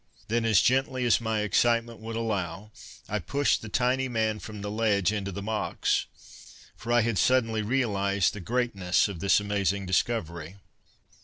Then, as gently as my excitement would allow, I pushed the tiny man from the ledge into the box; for I had suddenly realized the greatness of this amazing discovery.